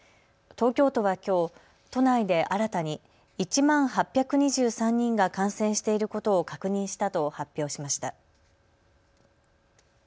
東京都はきょう都内で新たに１万８２３人が感染していることを確認したと発表しました。